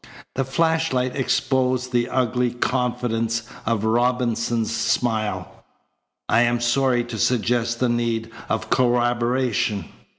The flashlight exposed the ugly confidence of Robinson's smile. "I am sorry to suggest the need of corroboration."